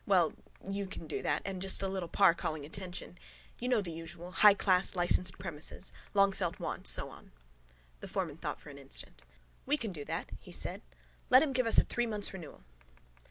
Well, you can do that and just a little par calling attention. You know the usual. Highclass licensed premises. Longfelt want. So on. The foreman thought for an instant. —We can do that, he said. Let him give us a three months' renewal.